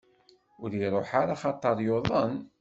Ur iruḥ ara axaṭer yuḍen.